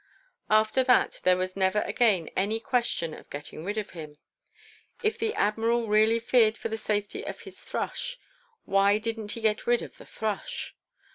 After that there was never again any question of getting rid of him. If the Admiral really feared for the safety of his thrush, why did n't he get rid of the thrush?